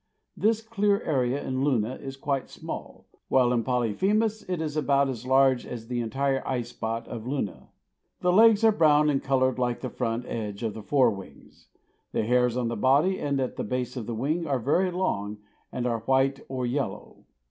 This clear area in Luna is quite small, while in Polyphemus it is about as large as the entire eye spot of Luna. The legs are brown and colored like the front edge of the fore wings. The hairs on the body and at the base of the wing are very long and are white or yellow.